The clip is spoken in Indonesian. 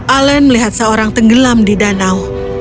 alen melihat seorang tenggelam di danau